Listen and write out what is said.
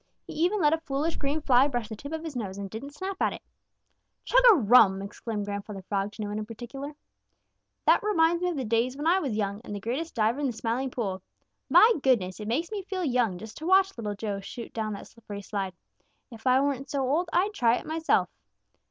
He even let a foolish green fly brush the tip of his nose and didn't snap at it. "Chug a rum!" exclaimed Grandfather Frog to no one in particular. "That reminds me of the days when I was young and the greatest diver in the Smiling Pool. My goodness, it makes me feel young just to watch Little Joe shoot down that slippery slide. If I weren't so old, I'd try it myself.